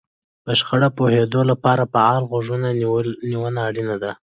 په شخړه پوهېدو لپاره فعاله غوږ نيونه اړينه ده.